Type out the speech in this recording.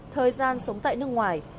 thời gian sống tại nước ngoài